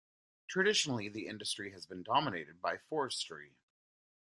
Traditionally the industry has been dominated by forestry.